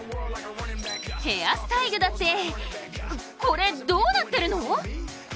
ヘアスタイルだって、これ、どうなってるの？